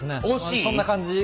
そんな感じです。